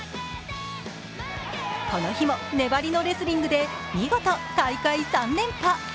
この日も粘りのレスリングで見事、大会３連覇。